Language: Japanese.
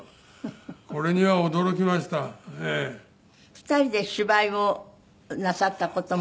２人で芝居をなさった事も。